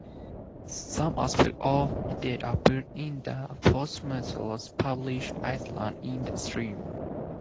Some aspects of it did appear in the posthumously published "Islands in the Stream".